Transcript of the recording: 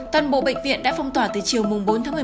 toàn bộ bệnh viện đã phong tỏa từ chiều bốn một mươi một